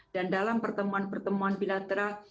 dan dalam pertemuan pertemuan bilateral